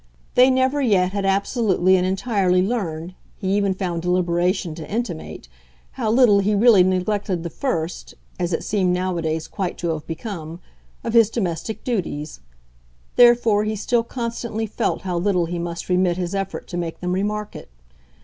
They never yet had absolutely and entirely learned, he even found deliberation to intimate, how little he really neglected the first as it seemed nowadays quite to have become of his domestic duties: therefore he still constantly felt how little he must remit his effort to make them remark it.